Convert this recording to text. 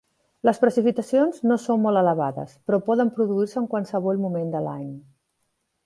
Les precipitacions no són molt elevades, però poden produir-se en qualsevol moment de l'any.